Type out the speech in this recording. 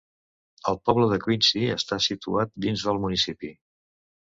El poble de Quincy està situat dins del municipi.